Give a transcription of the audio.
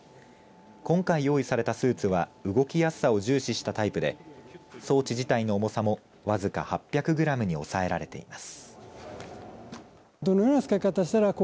今回、用意されたスーツは動きやすさを重視したタイプで装置自体の重さも僅か８００グラムに抑えられています。